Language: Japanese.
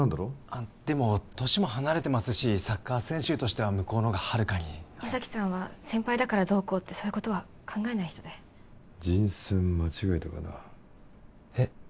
あっでも年も離れてますしサッカー選手としては向こうの方がはるかに矢崎さんは先輩だからどうこうってそういうことは考えない人で人選間違えたかなえっ？